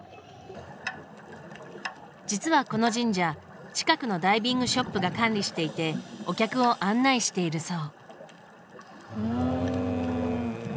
実はこの神社近くのダイビングショップが管理していてお客を案内しているそう。